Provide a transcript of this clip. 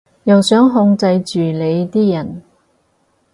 又想控制住你啲人